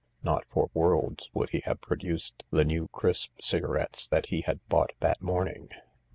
Not for worlds would he have produced the new crisp cigarettes that he had bought that morning.